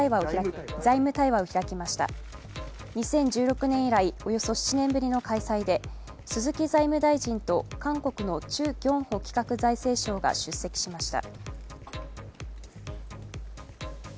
２０１６年以来、およそ７年ぶりの開催で鈴木財務大臣と韓国のチュ・ギョンホ企画財務相が出席しました。